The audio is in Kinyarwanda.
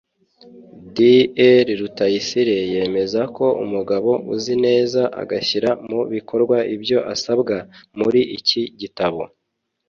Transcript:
Dr Rutayisire yemeza ko umugabo uzi neza agashyira mu bikorwa ibyo asabwa muri iki gitabo